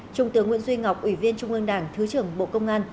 trung tướng nguyễn duy ngọc ủy viên trung ương đảng thứ trưởng bộ công an